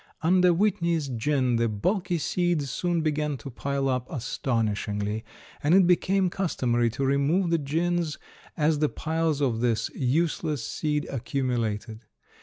Under Whitney's gin the bulky seeds soon began to pile up astonishingly, and it became customary to remove the gins as the piles of this useless seed accumulated.